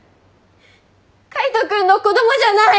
海斗君の子供じゃない！